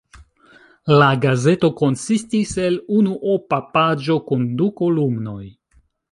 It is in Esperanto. La gazeto konsistis el unuopa paĝo kun du kolumnoj.